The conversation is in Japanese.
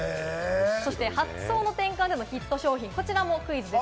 そして発想の転換でもヒット商品、こちらもクイズです。